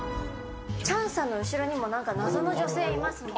チャンさんの後ろにも謎の女性いますね